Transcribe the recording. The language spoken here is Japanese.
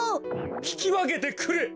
ききわけてくれ！